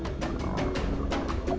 silat harimau pasaman